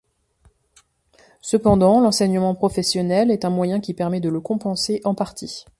Cependant l’enseignement professionnel est un moyen qui permet de le compenser en partie.